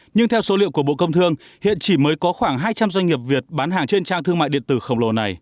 nhưng theo số liệu của bộ công thương hiện chỉ mới có khoảng hai trăm linh doanh nghiệp việt bán hàng trên trang thương mại điện tử khổng lồ này